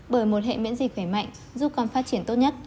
bởi một hệ miễn dịch khỏe mạnh giúp con phát triển tốt nhất